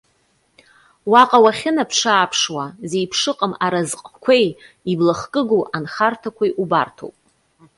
Уаҟа уахьынаԥшы-ааԥшуа, зеиԥшыҟам аразҟқәеи, иблахкыгоу анхарҭақәеи убарҭоуп.